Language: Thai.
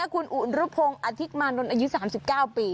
คุณอุ๋ระพงอธิกมานนที่๓๙ปี